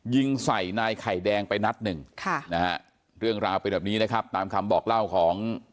ยิงใส่นายไข่แดงไปนัดหนึ่งค่ะนะฮะเรื่องราวเป็นแบบนี้นะครับตามคำบอกเล่าของ